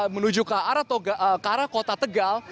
menuju ke arah kota tegal